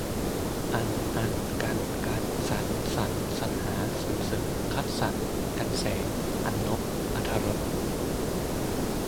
อัน อรร กัน กรร สัน สรร สรรหา สรรเสริญ คัดสรร กรรแสง อรรณพ อรรถรส